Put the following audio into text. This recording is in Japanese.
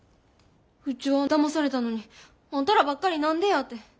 うちはだまされたのにあんたらばっかり何でやて。